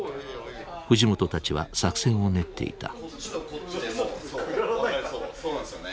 藤本たちは作戦を練っていた。